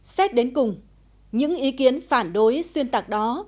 xét đến cùng những ý kiến phản đối xuyên tạc đó